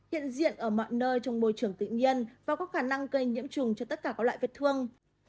hiện diện ở mọi nơi trong môi trường tự nhiên và có khả năng gây nhiễm trùng cho tất cả các loại vết thương